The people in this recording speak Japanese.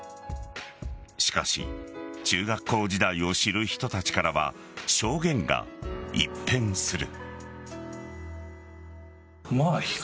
しかし中学校時代を知る人たちからは証言が一変する。